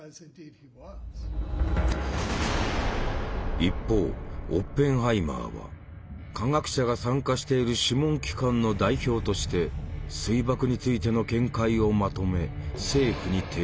一方オッペンハイマーは科学者が参加している諮問機関の代表として水爆についての見解をまとめ政府に提出した。